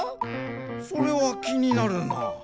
それはきになるな。